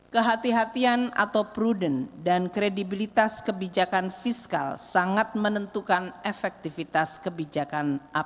kehatian atau prudent dan kredibilitas kebijakan fiskal sangat menentukan efektivitas kebijakan apapun